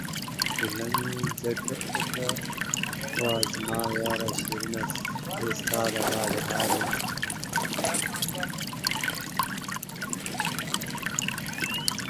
گيله مې ځکه اوکړه وا زما ياره شيرينه، زه ستا د غاړې هار...